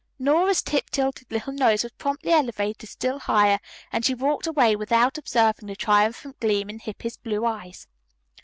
Nora's tip tilted little nose was promptly elevated still higher, and she walked away without observing the triumphant gleam in Hippy's blue eyes.